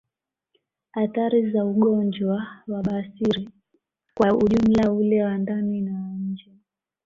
Athari za ugonjwa wa bawasiri kwa ujumla ule wa ndani na wa nje